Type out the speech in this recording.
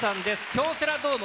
京セラドーム